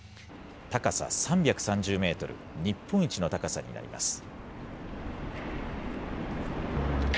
高さ３３０メートル、日本一の高さとなります。